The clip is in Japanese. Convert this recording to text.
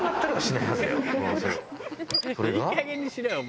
「いいかげんにしろよお前！